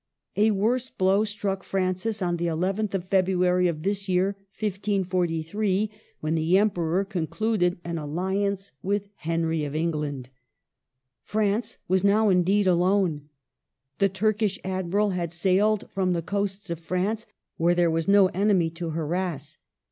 A worse blow struck Francis on the nth of February of this year 1543, when the Emperor concluded an aUiance with Henry of England. France was now, indeed, alone. The Turkish admiral had sailed from the coasts of France, where there was no enemy to harass.